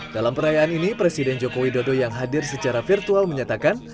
dalam perayaan ini presiden joko widodo yang hadir secara virtual menyatakan